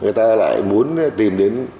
người ta lại muốn tìm đến